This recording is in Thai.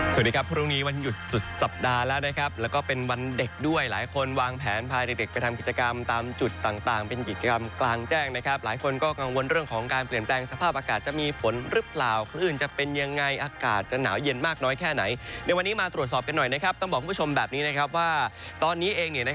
สวัสดีครับพรุ่งนี้วันหยุดสุดสัปดาห์แล้วนะครับแล้วก็เป็นวันเด็กด้วยหลายคนวางแผนพาเด็กไปทำกิจกรรมตามจุดต่างเป็นกิจกรรมกลางแจ้งนะครับหลายคนก็กังวลเรื่องของการเปลี่ยนแปลงสภาพอากาศจะมีฝนหรือเปล่าคลื่นจะเป็นยังไงอากาศจะหนาวเย็นมากน้อยแค่ไหนในวันนี้มาตรวจสอบกันหน่อยนะครับต้องบอกคุณผู้ชมแบบนี้นะครับว่าตอนนี้เอง